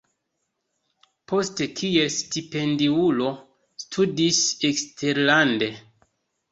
Poste kiel stipendiulo studis eksterlande.